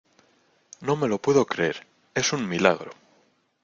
no me lo puedo creer. es un milagro .